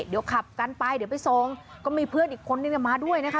เดี๋ยวขับกันไปเดี๋ยวไปส่งก็มีเพื่อนอีกคนนึงมาด้วยนะคะ